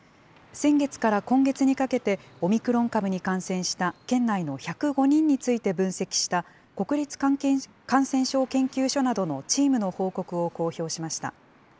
先月から今月にかけて、オミクロン株に感染した県内の１０５人について分析した、国立感染症研究所などのチームの報告を公表しました。